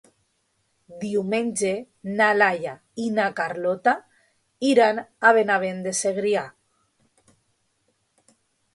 Diumenge na Laia i na Carlota iran a Benavent de Segrià.